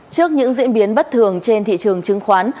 trước những diễn biến bất thường trên thị trường chứng khoán